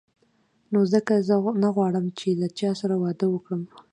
نو ځکه زه نه غواړم چې له چا سره واده وکړم.